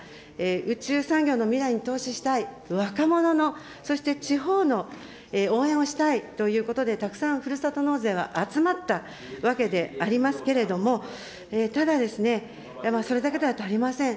宇宙産業の未来に投資したい若者の、そして地方の応援をしたいということで、たくさんふるさと納税が集まったわけでありますけれども、ただですね、それだけでは足りません。